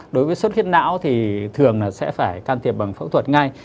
đối với suốt huyết não thì thường là sẽ phải can thiệp bằng phẫu thuật ngay